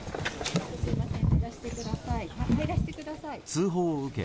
通報を受け